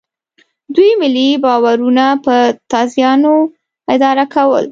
دوی ملي باورونه په تازیانو اداره کول.